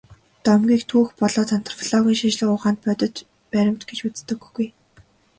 Домгийг түүх болоод антропологийн шинжлэх ухаанд бодит баримт гэж үздэггүй.